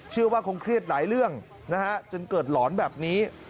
เชื่อว่าคงเครียดหลายเรื่องนะฮะจนเกิดหลอนแบบนี้